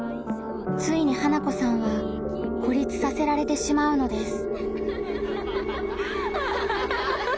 ついに花子さんは孤立させられてしまうのです。